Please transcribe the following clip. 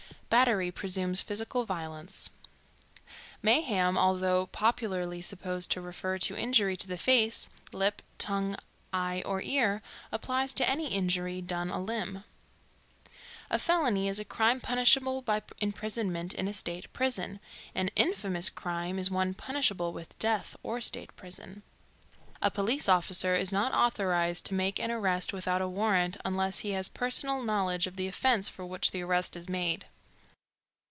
Battery presumes physical violence. Mayhem, although popularly supposed to refer to injury to the face, lip, tongue, eye, or ear, applies to any injury done a limb. A felony is a crime punishable by imprisonment in a State prison; an "infamous" crime is one punishable with death or State prison. A police officer is not authorized to make an arrest without a warrant unless he has personal knowledge of the offense for which the arrest is made.